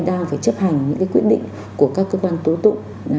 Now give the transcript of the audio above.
đang phải chấp hành những quyết định của các cơ quan tố tụ thi hành án